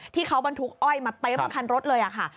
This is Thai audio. ที่เขาบรรทุกอ้อยมาเต็มคันรถเลยค่ะ